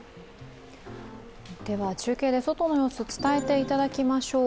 中継で外の様子を伝えていただきましょう。